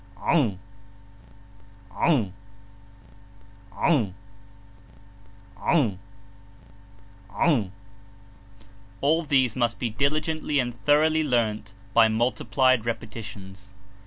All these must be diligently and thoroughly learnt by multiplied repetitions.